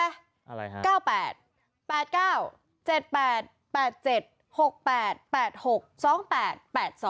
อะไรฮะ